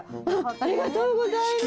ありがとうございます。